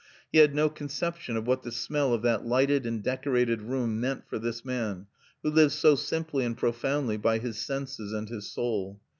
He had no conception of what the smell of that lighted and decorated room meant for this man who lived so simply and profoundly by his senses and his soul.